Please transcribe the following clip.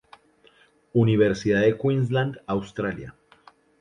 Universidad de Queensland, Australia.